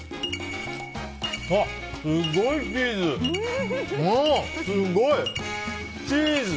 うわ、すごいチーズ！